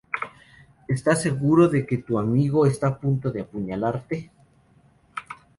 estás seguro de que tu amigo está a punto de apuñalarte